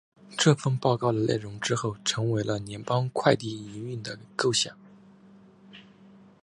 这份报告的内容之后成为了联邦快递营运的构想。